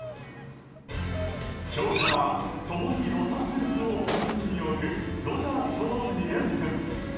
今日からは共にロサンゼルスに本拠地に置くドジャースとの２連戦。